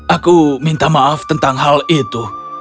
aku minta maaf tentang hal itu